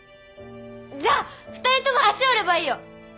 じゃあ２人とも足折ればいいよ。